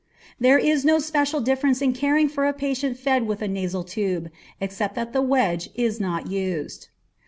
There is no special difference in caring for a patient fed with a nasal tube, except that the wedge is not used.